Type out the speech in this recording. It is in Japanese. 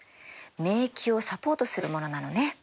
免疫をサポートするものなのね。